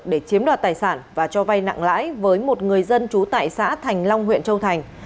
để chiếm đoạt tài sản và cho vay nặng lãi với một người dân trú tại xã thành long huyện châu thành